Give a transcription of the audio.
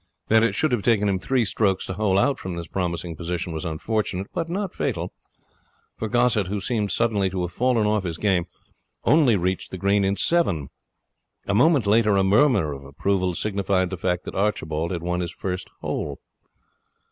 That it should have taken him three strokes to hole out from this promising position was unfortunate, but not fatal, for Gossett, who seemed suddenly to have fallen off his game, only reached the green in seven. A moment later a murmur of approval signified the fact that Archibald had won his first hole.